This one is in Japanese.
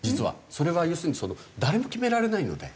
それは要するに誰も決められないので。